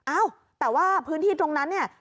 อ้าวแต่ว่าพื้นที่ตรงนั้นเนี่ย